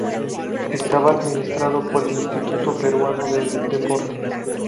Estaba administrado por Instituto Peruano del Deporte.